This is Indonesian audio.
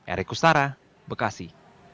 erik kustara bekasi